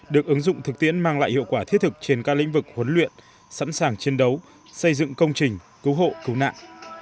được ứng dụng thực tiễn mang lại hiệu quả thiết thực trên các lĩnh vực huấn luyện sẵn sàng chiến đấu xây dựng công trình cứu hộ cứu nạn